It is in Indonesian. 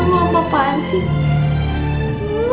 eh lu apa apaan sih